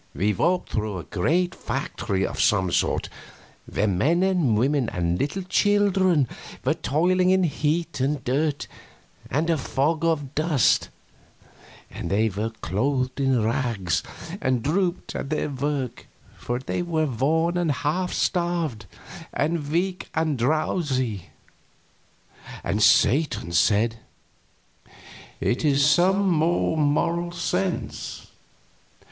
We walked through a great factory of some sort, where men and women and little children were toiling in heat and dirt and a fog of dust; and they were clothed in rags, and drooped at their work, for they were worn and half starved, and weak and drowsy. Satan said: "It is some more Moral Sense.